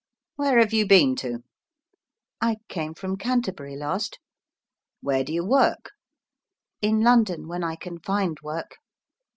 "Where have you been to?" "I came from Canterbury last." "Where do you work?" "In London when I can find work."